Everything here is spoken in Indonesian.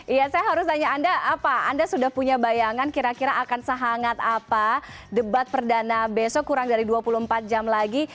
iya saya harus tanya anda apa anda sudah punya bayangan kira kira akan sehangat apa debat perdana besok kurang dari dua puluh empat jam lagi